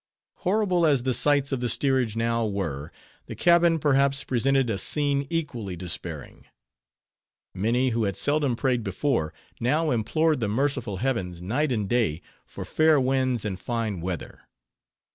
Horrible as the sights of the steerage now were, the cabin, perhaps, presented a scene equally despairing. Many, who had seldom prayed before, now implored the merciful heavens, night and day, for fair winds and fine weather.